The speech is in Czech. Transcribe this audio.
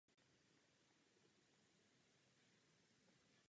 Pouze šest však svého otce přežilo.